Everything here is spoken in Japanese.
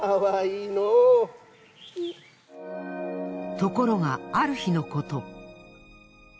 ところがある日のこと。